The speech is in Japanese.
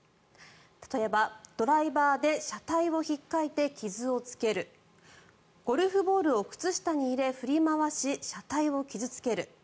例えばドライバーで車体をひっかいて傷をつけるゴルフボールを靴下に入れ振り回し、車体を傷付ける。